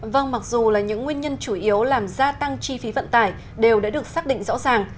vâng mặc dù là những nguyên nhân chủ yếu làm gia tăng chi phí vận tải đều đã được xác định rõ ràng